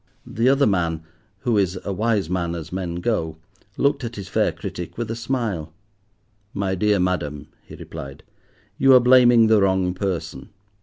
The other man, who is a wise man as men go, looked at his fair critic with a smile. "My dear madam," he replied, "you are blaming the wrong person.